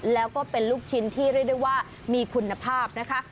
แล้วก็เป็นลูกชิ้นที่เรียกได้ว่ามีคุณภาพนะคะ